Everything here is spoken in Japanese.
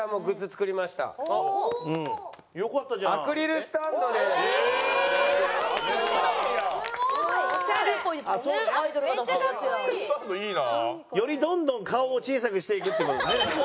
スタンドいいな。よりどんどん顔を小さくしていくって事ですね。